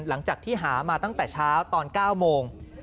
หลังจากที่หามาตั้งแต่เช้าตอน๙โมง